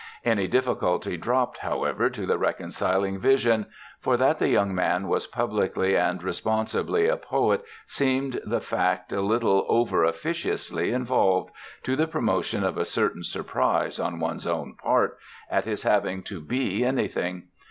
Any difficulty dropped, however, to the reconciling vision; for that the young man was publicly and responsibly a poet seemed the fact a little over officiously involved to the promotion of a certain surprise (on one's own part) at his having to "be" anything.